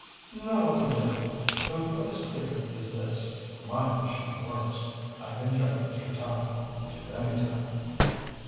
"Not altogether. But what is clear is this. My machine works. I can jump through time. To any time."